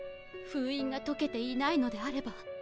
ふういんがとけていないのであれば。